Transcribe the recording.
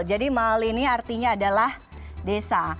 jadi mall ini artinya adalah desa